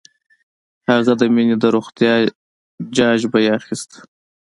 هغه د مينې د روغتيا جاج به یې اخيسته